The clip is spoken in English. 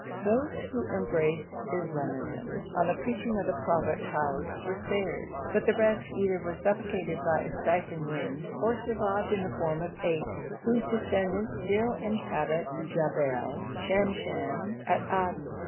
Those who embraced Islamism on the preaching of the prophet Houd were spared, but the rest either were suffocated by a stifling wind or survived in the form of apes, whose descendants still inhabit Jebel Shemshan at Aden.